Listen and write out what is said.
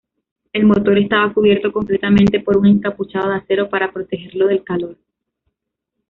El motor estaba cubierto completamente por un encapuchado de acero para protegerlo del calor.